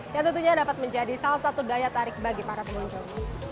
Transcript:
yang tentunya dapat menjadi salah satu daya tarik bagi para pengunjung